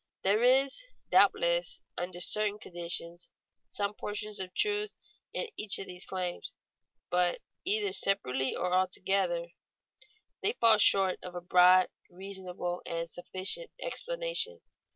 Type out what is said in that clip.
There is, doubtless, under certain conditions, some portion of truth in each of these claims. But, either separately or altogether, they fall short of a broad, reasonable, and sufficient explanation.